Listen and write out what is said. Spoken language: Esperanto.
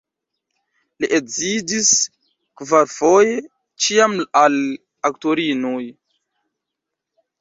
Li edziĝis kvarfoje, ĉiam al aktorinoj.